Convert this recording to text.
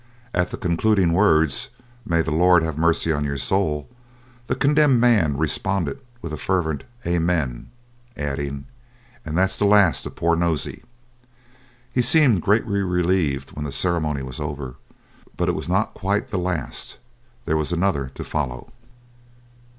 At the concluding words, "May the Lord have mercy on your soul," the condemned man responded with a fervent "Amen," adding, "And that's the last of poor Nosey." He seemed greatly relieved when the ceremony was over, but it was not quite the last, there was another to follow.